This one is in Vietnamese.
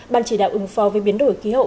ban chỉ đạo ứng phò về biến đổi khí hậu